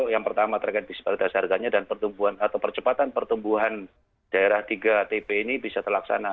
yang pertama trakian bisnis pada dasarkannya dan pertumbuhan atau percepatan pertumbuhan daerah tiga tp ini bisa terlaksana